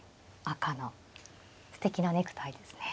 赤のすてきなネクタイですね。